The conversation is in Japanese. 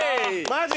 マジ？